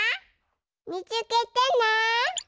みつけてね。